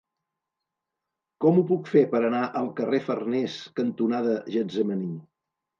Com ho puc fer per anar al carrer Farnés cantonada Getsemaní?